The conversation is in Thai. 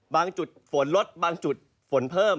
บางจุดฝนลดบางจุดฝนเพิ่ม